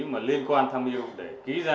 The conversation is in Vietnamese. mà liên quan tham dự để ký ra